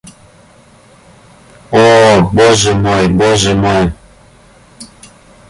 О, Боже мой, Боже мой!